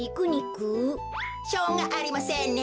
しょうがありませんね。